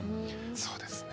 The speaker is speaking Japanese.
そうですね。